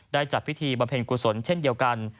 จัดพิธีบำเพ็ญกุศลเช่นเดียวกัน